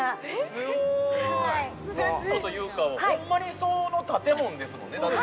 ◆すごい！◆セットというか、ほんまにその建物ですもんね、だって。